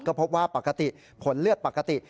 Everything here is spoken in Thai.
ก็พบว่าปกติผลเลือดปกติ